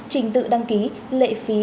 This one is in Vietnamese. trình tự đăng ký phương tiện trực tuyến